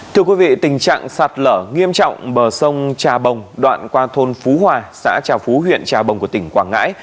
thưa quý vị tình trạng sạt lở nghiêm trọng bờ sông trà bồng đoạn qua thôn phú hòa xã trà phú huyện trà bồng của tỉnh quảng ngãi